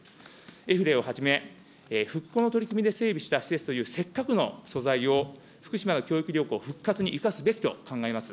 エフレイをはじめ、復興の取り組みで整備した施設というせっかくの素材を福島の教育旅行の復活に生かすべきと考えます。